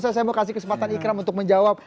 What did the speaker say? saya mau kasih kesempatan ikram untuk menjawab